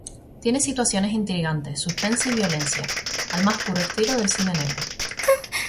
Tiene situaciones intrigantes, suspense y violencia, al más puro estilo del cine negro.